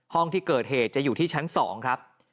ห้องที่เกิดเหตุจะอยู่ที่ชั้น๒ครับ